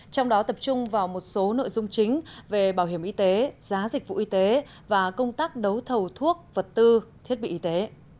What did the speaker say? trong đó tập trung vào một số nội dung chính về bảo hiểm y tế giá dịch vụ y tế và công tác đấu thầu thuốc vật tư thiết bị y tế